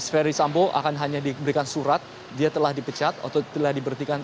ferry sambo akan hanya diberikan surat dia telah dipecat atau telah diberhentikan